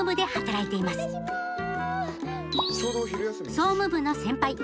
総務部の先輩坂東